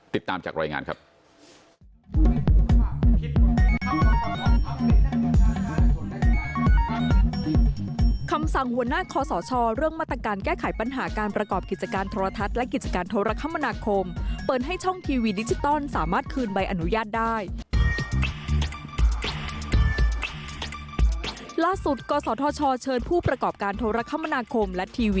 ติดตามจากรายงานครับ